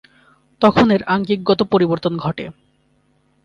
তখন এর আঙ্গিকগত পরিবর্তন ঘটে।